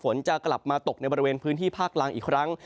ฝนจะกลับมาตกในบริเวณพื้นที่ภาคล่างอีกครั้ง